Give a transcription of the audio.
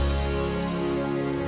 baik cepat tanggue nafas